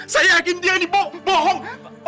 saya yakin dia ini bohong